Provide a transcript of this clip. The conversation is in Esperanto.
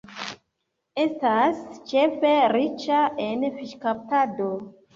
Estas ĉefe riĉa en fiŝkaptado.